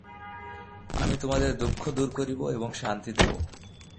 আমি তোমাদের দুঃখ দূর করিব এবং শান্তি দিব।